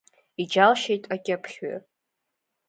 Иџьалшьеит акьыԥхьҩы.